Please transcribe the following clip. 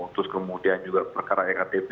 terus kemudian juga perkara ektp